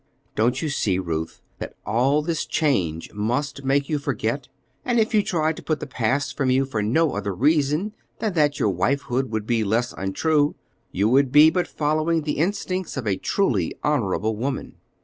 "Don't you see, Ruth, that all this change must make you forget? And if you tried to put the past from you for no other reason than that your wifehood would be less untrue, you would be but following the instincts of a truly honorable woman.